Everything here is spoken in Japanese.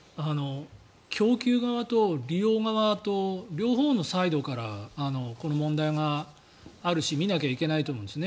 供給側と利用側と両方のサイドからこの問題があるし見なきゃいけないと思うんです。